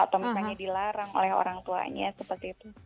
atau misalnya dilarang oleh orang tuanya seperti itu